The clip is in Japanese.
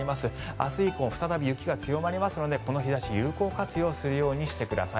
明日以降も再び雪が強まりますのでこの日差し、有効活用するようにしてください。